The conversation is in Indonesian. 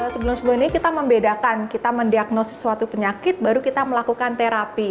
sebelum sebelum ini kita membedakan kita mendiagnosis suatu penyakit baru kita melakukan terapi